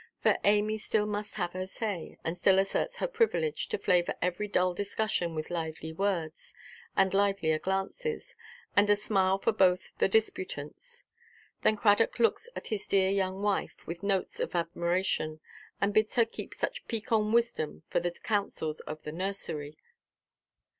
For Amy still must have her say, and still asserts her privilege to flavour every dull discussion with lively words, and livelier glances, and a smile for both the disputants. Then Cradock looks at his dear young wife with notes of admiration, and bids her keep such piquant wisdom for the councils of the nursery.